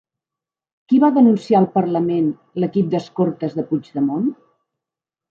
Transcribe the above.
Qui va denunciar al parlament l'equip d'escortes de Puigdemont?